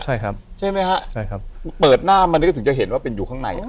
ใช่ครับใช่ไหมฮะใช่ครับเปิดหน้ามานี่ก็ถึงจะเห็นว่าเป็นอยู่ข้างในอ่ะ